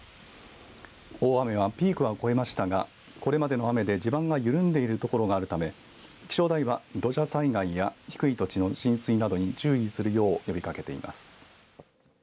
大雨はピークは越えましたがこれまでの雨で地盤が緩んでいるところがあるため気象台は、土砂災害や低い土地の浸水などに注意するよう呼びかけています。